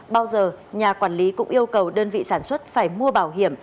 bao giờ nhà quản lý cũng yêu cầu đơn vị sản xuất phải mua bảo hiểm